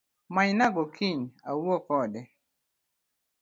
Manyna go kiny awuo kode